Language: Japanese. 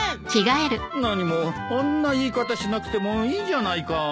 何もあんな言い方しなくてもいいじゃないか。